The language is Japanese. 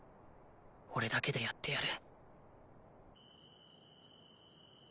おれだけでやってやる。